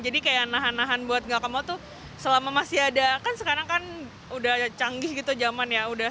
jadi kayak nahan nahan buat nggak kemau tuh selama masih ada kan sekarang kan udah canggih gitu zaman ya